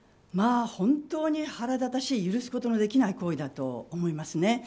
本当に腹立たしい許すことのできない行為だと思います。